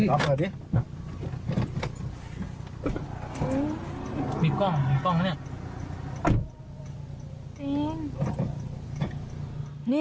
มีกล้องมีกล้องมั้ยเนี่ย